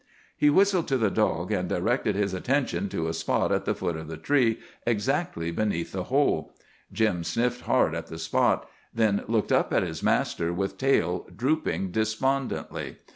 He whistled to the dog, and directed his attention to a spot at the foot of the tree exactly beneath the hole. Jim sniffed hard at the spot, then looked up at his master with tail drooping despondently.